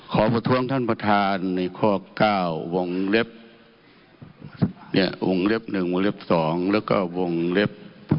ขอประท้วงท่านประธานในข้อ๙วงเล็บวงเล็บ๑วงเล็บ๒แล้วก็วงเล็บ